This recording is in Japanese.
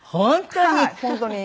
本当に？